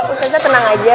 ustaznya tenang aja